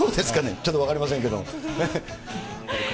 ちょっと分かりませんけども。